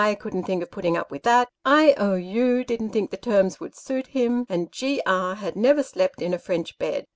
couldn't think of putting up with that ;" I. O. U." didn't think the terms would suit him; and "G. E." had never slept in a French bed.